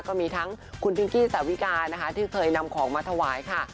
ก็มีทั้งคุณพิงกี้สาวิกานะคะที่เคยนำของมาถวายค่ะ